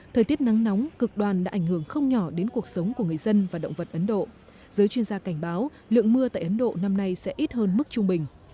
thời tiết nắng nóng cực đoàn đã ảnh hưởng không nhỏ đến cuộc sống của người dân và động vật ấn độ giới chuyên gia cảnh báo lượng mưa tại ấn độ năm nay sẽ ít hơn mức trung bình